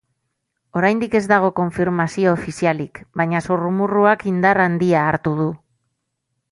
Oraindik ez dago konfirmazio ofizialik, baina zurrumurruak indar handia hartu du.